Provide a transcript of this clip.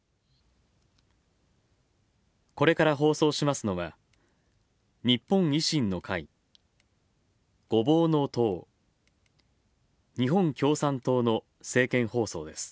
これから放送しますのは、日本維新の会ごぼうの党日本共産党の政見放送です。